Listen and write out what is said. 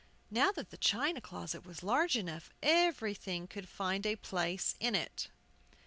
Now that the china closet was large enough, everything could find a place in it.